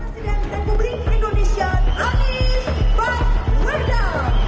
presiden dan publik indonesia anies baswedan